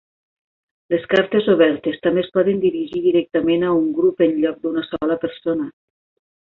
Les cartes obertes també es poden dirigir directament a un grup en lloc d'una sola persona.